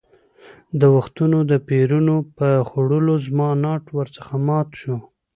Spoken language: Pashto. د وختونو د پېرونو په خوړلو زما ناټ ور څخه مات شو.